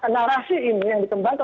narasi ini yang dikembangkan